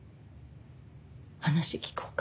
「話聞こうか？」